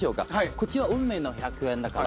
これは普通の１００円だから。